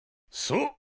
そう。